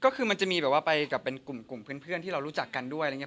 ก็คือมันจะมีแบบว่าไปกับเป็นกลุ่มเพื่อนที่เรารู้จักกันด้วยอะไรอย่างนี้